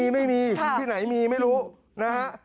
ไม่มีที่ไหนมีไม่รู้นะฮะ